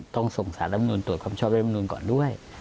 ต้องส่งสารมนุษย์ตรวจความชอบรัฐมนุษย์ก่อนด้วย